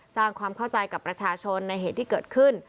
สร้างความเข้าใจกับประชาชนในเหตุที่เกิดขึ้น